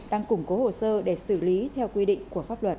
đang củng cố hồ sơ để xử lý theo quy định của pháp luật